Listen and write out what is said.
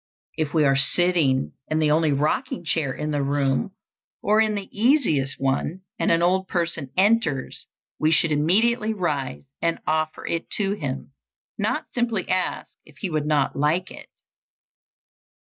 If we are sitting in the only rocking chair in the room, or in the easiest one, and an old person enters, we should immediately rise and offer it to him, not simply ask if he would not like it.